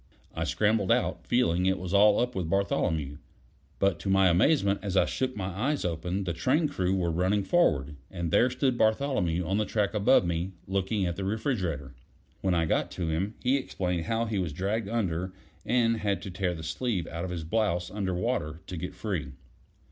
I scrambled out, feeling it was all up with Bartholomew; but to my amazement, as I shook my eyes open the train crew were running forward, and there stood Bartholomew on the track above me, looking at the refrigerator. When I got to him, he explained how he was dragged under and had to tear the sleeve out of his blouse under water to get free.